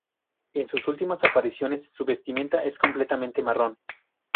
En sus últimas apariciones su vestimenta es completamente marrón.